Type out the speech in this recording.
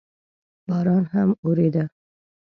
باران هم اورېده.